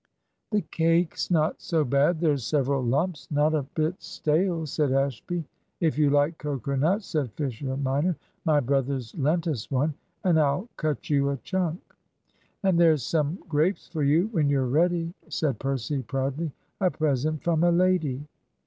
"The cake's not so bad there's several lumps not a bit stale," said Ashby. "If you like cocoa nut," said Fisher minor, "my brother's lent us one, and I'll cut you a chunk." "And there's some grapes for you, when you're ready," said Percy, proudly; "a present from a lady."